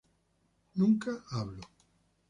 Nunca hablo.